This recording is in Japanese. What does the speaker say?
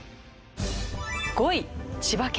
５位千葉県。